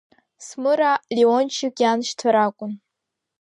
Смыраа, Лиончик ианшьцәа ракәын.